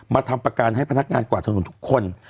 ทำประกันให้พนักงานกวาดถนนทุกคน